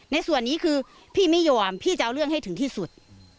ในส่วนนี้คือพี่ไม่ยอมพี่จะเอาเรื่องให้ถึงที่สุด